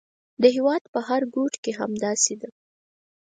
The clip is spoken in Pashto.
د هېواد په هر ګوټ کې همداسې ده.